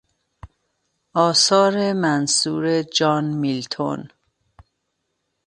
آثار منثور جان میلتون